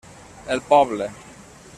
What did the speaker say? El poble.